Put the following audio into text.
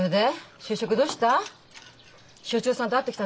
就職どうした？